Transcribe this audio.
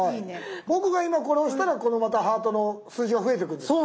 僕が今これ押したらまたハートの数字が増えていくんですか？